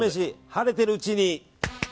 晴れてるうちに。